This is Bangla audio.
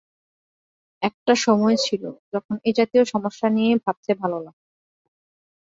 একটা সময় ছিল, যখন এজাতীয় সমস্যা নিয়ে ভাবতে ভালো লাগত।